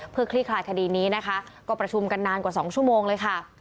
เพื่อคลี่คลายคดีนี้นะคะก็ประชุมกันนานกว่า๒ชั่วโมงเลยค่ะ